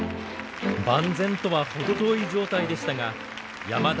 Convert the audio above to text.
万全とは程遠い状態でしたが山田は続投を志願。